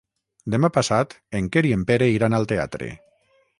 Demà passat en Quer i en Pere iran al teatre.